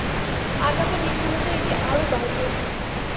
আগামী দিনগুলোতে এটি আরও বাড়বে।